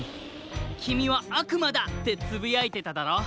「きみはあくまだ！」ってつぶやいてただろ？